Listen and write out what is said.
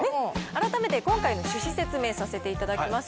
あらためて今回の趣旨説明させていただきます。